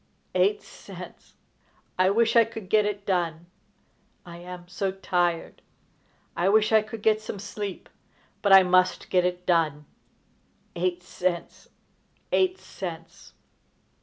Eight cents! I wish I could get it done! I am so tired! I wish I could get some sleep, but I must get it done! Eight cents! Eight cents!"